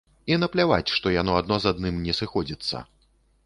І напляваць, што яно адно з адным не сыходзіцца.